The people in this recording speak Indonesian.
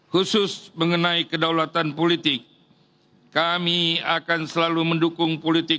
khusus mengenai kedaulatan politik kami akan selalu mendukung politik